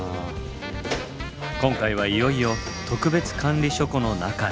今回はいよいよ特別管理書庫の中へ！